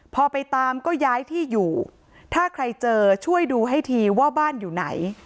พอไปตามก็ย้ายที่อยู่ถ้าใครเจอช่วยดูให้ทีว่าบ้านอยู่ไหน